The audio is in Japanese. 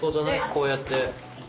こうやって。